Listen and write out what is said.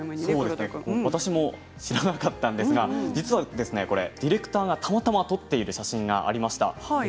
私も知らなかったんですが実は、ディレクターがたまたま撮っている写真がありました。